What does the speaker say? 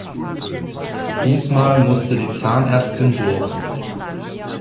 Diesmal musste die Zahnärztin bohren.